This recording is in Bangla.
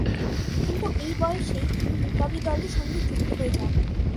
কিন্তু এই বয়সেই তিনি বিপ্লবী দলের সঙ্গে যুক্ত হয়ে যান।